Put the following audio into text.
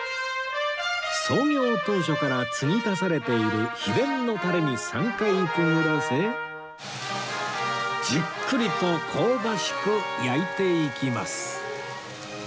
創業当初から継ぎ足されている秘伝のタレに３回くぐらせじっくりと香ばしく焼いていきます